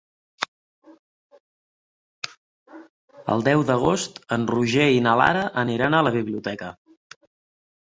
El deu d'agost en Roger i na Lara aniran a la biblioteca.